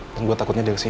dan gue takutnya dia kesini